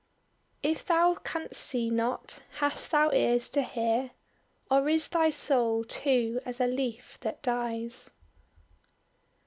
"If thou canst see not, hast thou ears to hear? Or is thy soul too as a leaf that dies?"